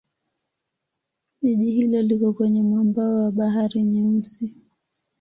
Jiji hilo liko kwenye mwambao wa Bahari Nyeusi.